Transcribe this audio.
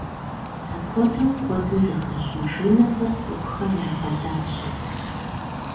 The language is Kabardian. Апхуэдэу куэду зэхэлъ машинэхэр цӀыхухэм ягъэлажьэ.